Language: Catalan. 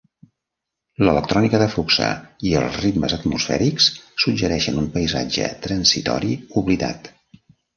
L'electrònica de Fuxa i els ritmes atmosfèrics suggereixen un paisatge transitori oblidat.